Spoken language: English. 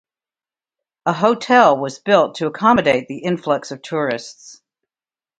A hotel was built to accommodate the influx of tourists.